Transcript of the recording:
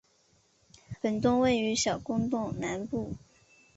本洞位于小公洞南部。